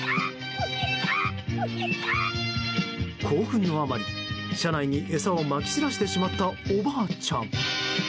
興奮のあまり車内に餌をまき散らしてしまったおばあちゃん。